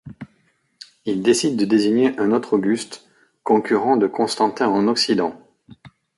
Il décide de désigner un autre Auguste, concurrent de Constantin en Occident.